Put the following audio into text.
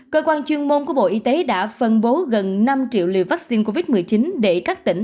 cơ quan chuyên môn của bộ y tế đã phân bố gần năm triệu liều vaccine covid một mươi chín để các tỉnh